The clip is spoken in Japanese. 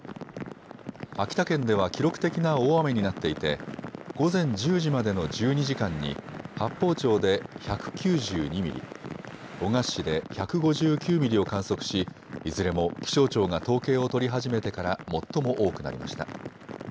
秋田県では記録的な大雨になっていて、午前１０時までの１２時間に八峰町で１９２ミリ、男鹿市で１５９ミリを観測しいずれも気象庁が統計を取り始めてから最も多くなりました。